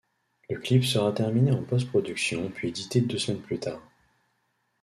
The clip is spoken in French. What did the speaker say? Le clip sera terminé en post-production puis édité deux semaines plus tard.